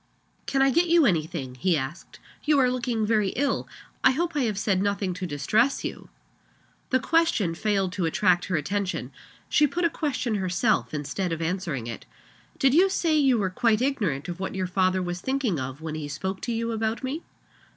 "Can I get you any thing?" he asked. "You are looking very ill. I hope I have said nothing to distress you?" The question failed to attract her attention. She put a question herself instead of answering it. "Did you say you were quite ignorant of what your father was thinking of when he spoke to you about me?"